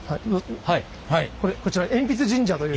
こちら鉛筆神社という。